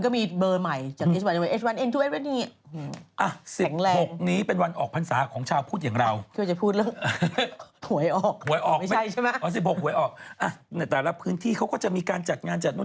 ไม่ต้องกลัวหรอกไวรัสมันพัฒนาอยู่ตลอด